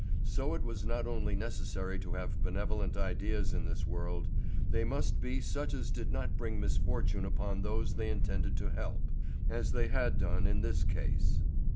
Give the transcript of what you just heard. So it was not only necessary to have benevolent ideas in this world; they must be such as did not bring misfortune upon those they were intended to help, as they had done in this case.